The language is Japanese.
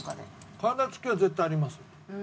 体付きは絶対あります。